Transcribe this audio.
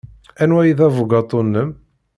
Anwa ay d abugaṭu-nnem?